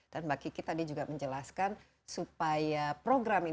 dan mbak kiki tadi juga menjelaskan supaya program ini